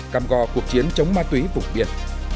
căm gò cuộc chiến chống ma túy vụng biệt